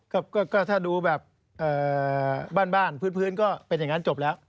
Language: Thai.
ก็ถ้าดูแบบบ้านพื้นก็เป็นอย่างนั้นจบแล้ว